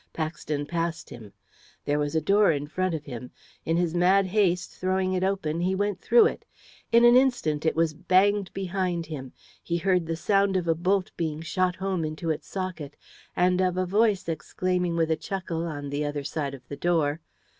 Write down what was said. Paxton passed him. There was a door in front of him. In his mad haste, throwing it open, he went through it. In an instant it was banged behind him; he heard the sound of a bolt being shot home into its socket, and of a voice exclaiming with a chuckle on the other side of the door!